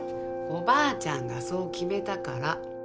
おばあちゃんがそう決めたから。